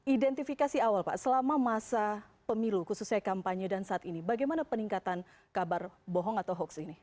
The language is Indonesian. identifikasi awal pak selama masa pemilu khususnya kampanye dan saat ini bagaimana peningkatan kabar bohong atau hoax ini